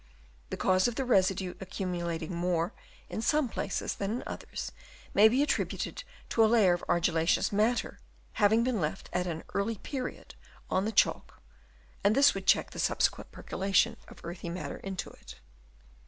The cause of the residue accumulating more in some places than in others, may be attributed to a layer of argillaceous matter having been left at an early period on the chalk, and this would check the subsequent percolation of earthy matter into it.